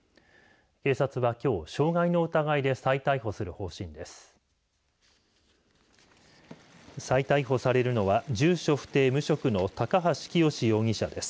警察はきょう、傷害の疑いで再逮捕する方針です。